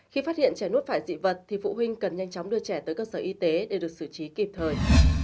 khi phát hiện trẻ nuốt phải dị vật thì phụ huynh cần nhanh chóng đưa trẻ tới cơ sở y tế để được xử trí kịp thời